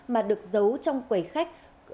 mà được giấu trong quầy khách